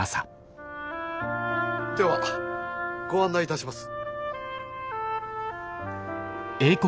ではご案内いたします。